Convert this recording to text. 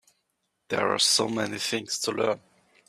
There are so many things to learn.